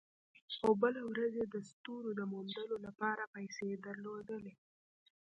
او بله ورځ یې د ستورو د موندلو لپاره پیسې درلودې